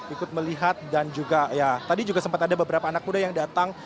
ikut melihat dan juga ya tadi juga sempat ada beberapa anak muda yang datang